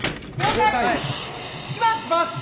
行きます！